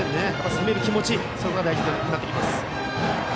攻める気持ちが大事になってきます。